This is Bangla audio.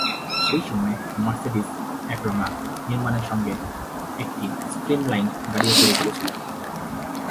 সেই সময়ে মার্সেডিজ একরঙা নির্মাণের সঙ্গে একটি স্ট্রিমলাইনড গাড়িও তৈরি করেছিল।